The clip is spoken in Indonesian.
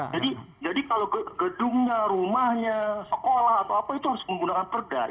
jadi kalau gedungnya rumahnya sekolah atau apa itu harus menggunakan perdah